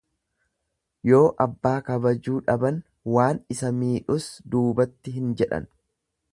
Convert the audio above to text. Yoo abbaa kabajuu dhaban waan isa miidhus duubatti hin jedhan.